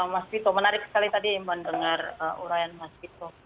mas vito menarik sekali tadi mendengar urayan mas vito